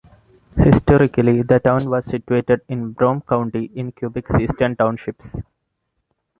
Historically, the town was situated in Brome County in Quebec's Eastern Townships.